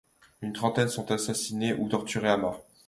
Une trentaine sont assassinées ou torturées à mort.